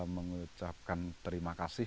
mengucapkan terima kasih